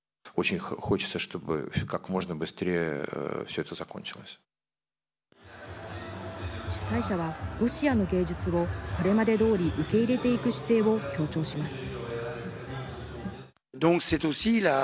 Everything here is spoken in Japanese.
主催者は、ロシアの芸術をこれまでどおり受け入れていく姿勢を強調します。